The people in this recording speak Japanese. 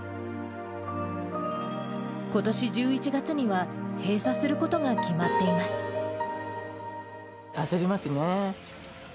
ことし１１月には、閉鎖すること焦りますね。